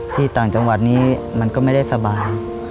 ต่างจังหวัดนี้มันก็ไม่ได้สบาย